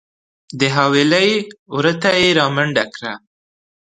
د حویلۍ وره ته یې رامنډه کړه .